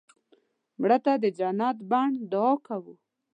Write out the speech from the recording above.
مړه ته د جنت بڼ دعا کوو